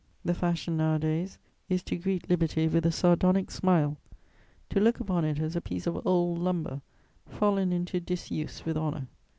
The fashion nowadays is to greet liberty with a sardonic smile, to look upon it as a piece of old lumber, fallen into disuse with honour.